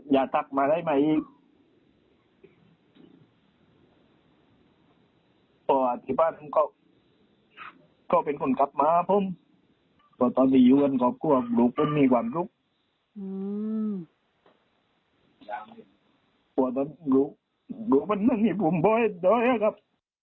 ลูกมันมันมีความสุขด้วยนะครับ